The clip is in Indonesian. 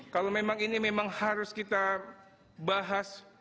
kalau memang ini memang harus kita bahas